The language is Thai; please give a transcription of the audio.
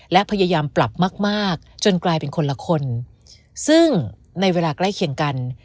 และพยายามปรับมากมากจนกลายเป็นคนละคนซึ่งในเวลาใกล้เคียงกัน